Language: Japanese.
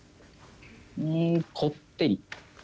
うんこってり。